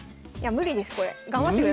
無理ですよ。